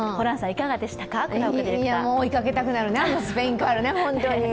追いかけたくなるね、あのスペインカール、本当に。